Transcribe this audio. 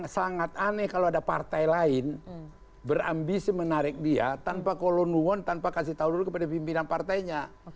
sangat aneh kalau ada partai lain berambisi menarik dia tanpa kolonuon tanpa kasih tahu dulu kepada pimpinan partainya